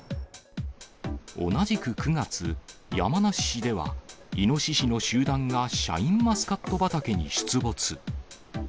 同じく９月、山梨市では、イノシシの集団がシャインマスカット畑に出没。